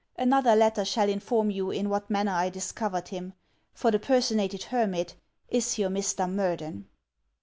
Another letter shall inform you, in what manner I discovered him; for the personated hermit is your Mr. Murden.